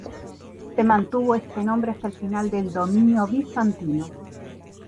Se mantuvo este nombre hasta el final del dominio bizantino.